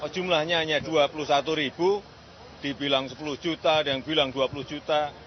jumlahnya hanya dua puluh satu ribu dibilang sepuluh juta dibilang dua puluh juta